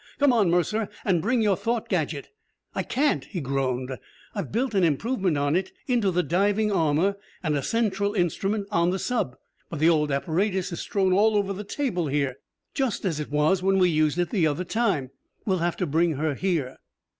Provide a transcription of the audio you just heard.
Come on, Mercer, and bring your thought gadget!" "I can't!" he groaned. "I've built an improvement on it into the diving armor, and a central instrument on the sub, but the old apparatus is strewn all over the table, here, just as it was when we used it the other time. We'll have to bring her here."